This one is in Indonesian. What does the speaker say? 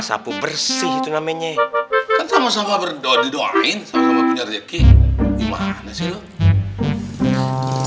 sapa bersih itu namanya sama sama berdoa doain sama punya rezeki gimana sih